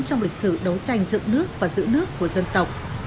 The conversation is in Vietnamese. trong lịch sử đấu tranh dựng nước và giữ nước của dân tộc